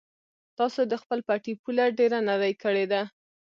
تاسو د خپل پټي پوله ډېره نرۍ کړې ده.